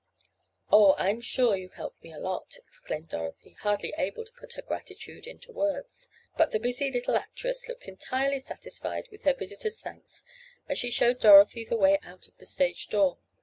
"Oh, I'm sure you've helped me a lot," exclaimed Dorothy, hardly able to put her gratitude into words, but the busy little actress looked entirely satisfied with her visitor's thanks as she showed Dorothy the way out of the stage door.